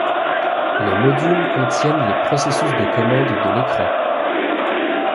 Les modules contiennent les processus de commandes de l'écran.